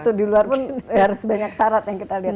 atau di luar pun harus banyak syarat yang kita lihat